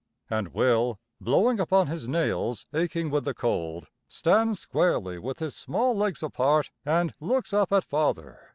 And Will, blowing upon his nails aching with the cold, stands squarely with his small legs apart, and looks up at Father.